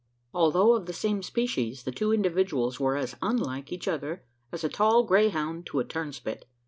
Although of the same species, the two individuals were as unlike each other as a tall greyhound to a turnspit.